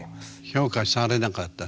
評価されなかった？